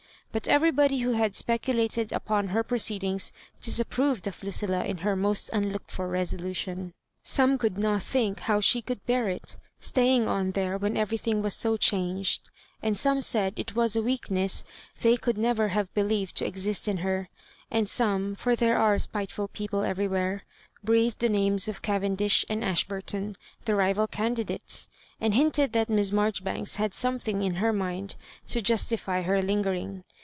But everybody who had speculated up on her proceedings disapproved of Lucilla In her most unlooked for resolution. Some could not think how she could bear it, staying on there when every thiujg was so changed; and some said it was a weakness they could never have believed to exist in her; and some— for there are spiteful people everywhere — ^breathed the names of Cav endish and Ashburton, the rival candidates, and hinted that Miss Marjoribanks had something in her mind to justify her lingering.